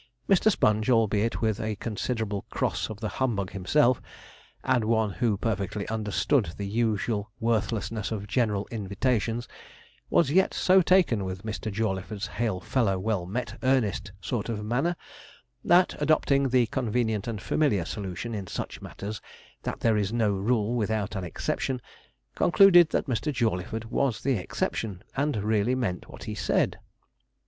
Mr. Sponge, albeit with a considerable cross of the humbug himself, and one who perfectly understood the usual worthlessness of general invitations, was yet so taken with Mr. Jawleyford's hail fellow well met, earnest sort of manner, that, adopting the convenient and familiar solution in such matters, that there is no rule without an exception, concluded that Mr. Jawleyford was the exception, and really meant what he said.